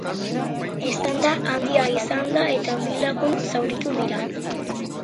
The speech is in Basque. Eztanda handia izan da eta bi lagun zauritu dira.